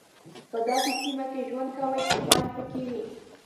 په داسې سیمه کې ژوند کوئ چې ماین پکې وي.